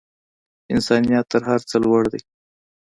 انسانیت تر هر څه لوړ دی.